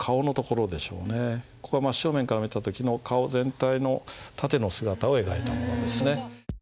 ここが真っ正面から見た時の顔全体の縦の姿を描いたものですね。